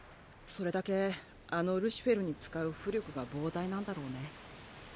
それだけあのルシフェルに使う巫力が膨大なんだろうね。